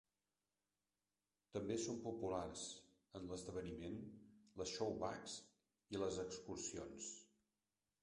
També són populars en l'esdeveniment les "showbags" i les excursions.